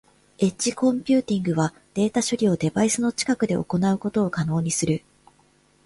エッジコンピューティングはデータ処理をデバイスの近くで行うことを可能にする。